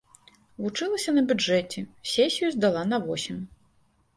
Вучылася на бюджэце, сесію здала на восем.